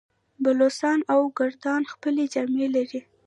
بلوڅان او کردان خپلې جامې لري.